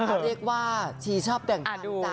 เออเรียกว่าชีชอบแบ่งปันตา